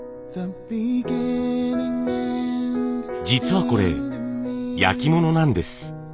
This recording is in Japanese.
実はこれ焼き物なんです。